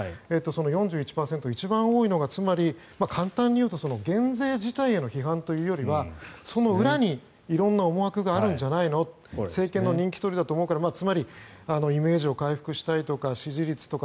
４１％一番多いのがつまり簡単に言うと減税自体への批判というよりはその裏に色んな思惑があるんじゃないの政権の人気取りだと思うからつまりイメージを回復したいとか支持率とか